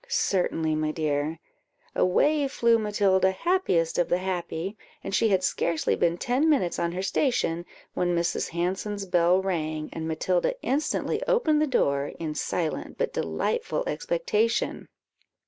"Certainly, my dear." Away flew Matilda, happiest of the happy; and she had scarcely been ten minutes on her station when Mrs. Hanson's bell rang, and Matilda instantly opened the door, in silent but delightful expectation.